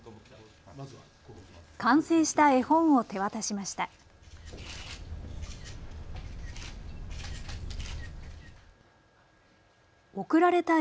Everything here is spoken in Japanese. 完成した絵本を手渡しました。